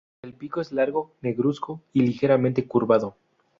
El pico es largo, negruzco y ligeramente curvado.